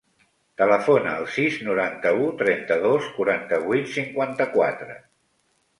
Telefona al sis, noranta-u, trenta-dos, quaranta-vuit, cinquanta-quatre.